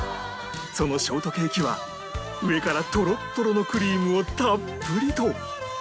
そのショートケーキは上からトロットロのクリームをたっぷりと！